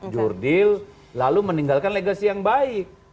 jurdil lalu meninggalkan legasi yang baik